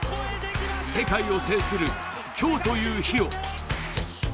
世界を制する、今日という日を。